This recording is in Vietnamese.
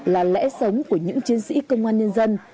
là lẽ sống của những chiến sĩ công an nhân dân